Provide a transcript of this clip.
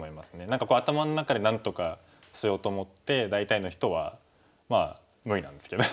何か頭の中でなんとかしようと思って大体の人はまあ無理なんですけど。